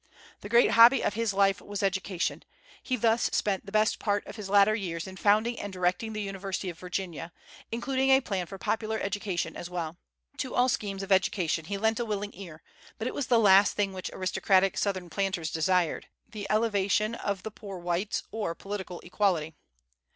The great hobby of his life was education. He thus spent the best part of his latter years in founding and directing the University of Virginia, including a plan for popular education as well. To all schemes of education he lent a willing ear; but it was the last thing which aristocratic Southern planters desired, the elevation of the poor whites, or political equality.